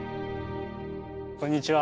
こんにちは。